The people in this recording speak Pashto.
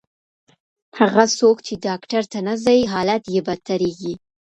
هغه څوک چې ډاکټر ته نه ځي، حالت یې بدتریږي.